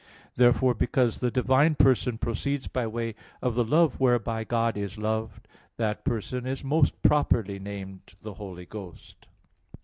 Therefore because the divine person proceeds by way of the love whereby God is loved, that person is most properly named "The Holy Ghost."